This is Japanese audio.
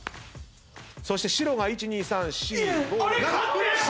そして白が１２３４５６７！